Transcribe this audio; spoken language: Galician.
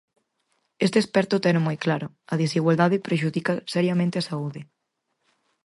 Este experto teno moi claro: a desigualdade prexudica seriamente a saúde.